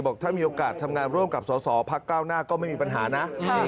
บอกว่าถ้ามีโอกาสทำงานร่วมกับส่อภาคเก้าหน้าก็ไม่มีปัญหานะ